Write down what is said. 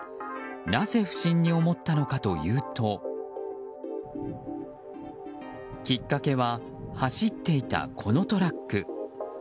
なぜ不審に思ったのかというときっかけは走っていたこのトラック。